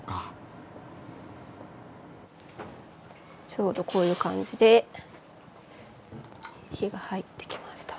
ちょうどこういう感じで火が入ってきました。